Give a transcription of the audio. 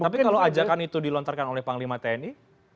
tapi kalau ajakan itu dilontarkan oleh panglima tni